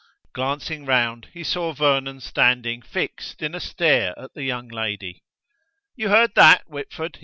Glancing round, he saw Vernon standing fixed in a stare at the young lady. "You heard that, Whitford?"